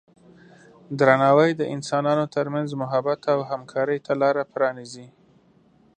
درناوی د انسانانو ترمنځ محبت او همکارۍ ته لاره پرانیزي.